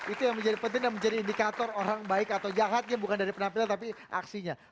itu yang menjadi penting dan menjadi indikator orang baik atau jahatnya bukan dari penampilan tapi aksinya